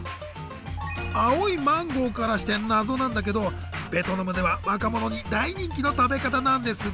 青いマンゴーからしてナゾなんだけどベトナムでは若者に大人気の食べ方なんですってよ。